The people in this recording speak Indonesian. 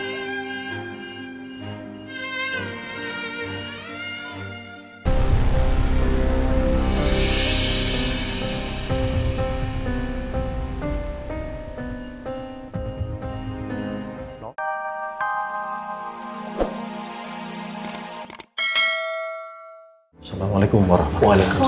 assalamualaikum warahmatullahi wabarakatuh